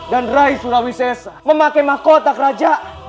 dan rai surawisesa memakai mahkotak raja